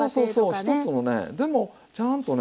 １つのねでもちゃんとね